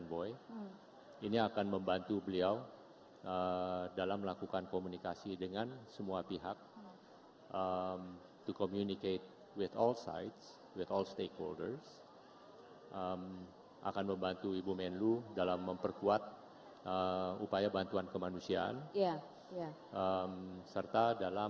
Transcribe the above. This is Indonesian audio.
dan juga untuk negara negara